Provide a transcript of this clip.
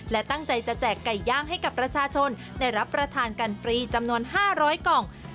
และตั้งใจจะแจกไก่ย่างให้กับประชาชนได้รับประทานกันฟรีจำนวน๕๐๐กล่อง